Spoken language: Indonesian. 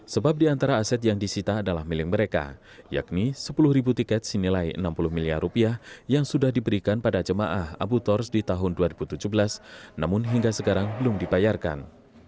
sebab di antara aset yang disita adalah milik mereka yakni sepuluh ribu tiket sinilai enam puluh miliar rupiah yang sudah diberikan pada jemaah abu tors di tahun dua ribu tujuh belas namun hingga sekarang belum dibayarkan